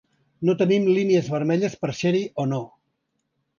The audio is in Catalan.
No tenim línies vermelles per ser-hi o no.